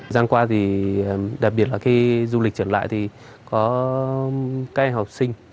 gian qua thì đặc biệt là khi du lịch trở lại thì có các em học sinh